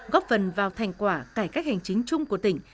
góp phần vào thành quả cải cách hành chính chung của tỉnh